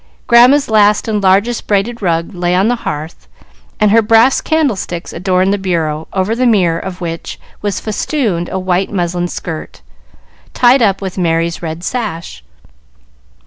Grandma's last and largest braided rug lay on the hearth, and her brass candlesticks adorned the bureau, over the mirror of which was festooned a white muslin skirt, tied up with Merry's red sash.